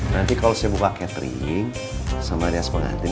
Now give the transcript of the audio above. nanti kalau saya buka catering sama alias pengantin